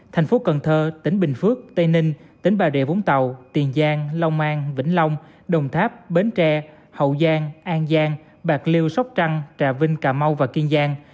thành phố cần thơ tỉnh bình phước tây ninh tỉnh bà rịa vũng tàu tiền giang long an vĩnh long đồng tháp bến tre hậu giang an giang bạc liêu sóc trăng trà vinh cà mau và kiên giang